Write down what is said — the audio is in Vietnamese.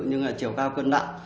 nhưng chiều cao cân đẳng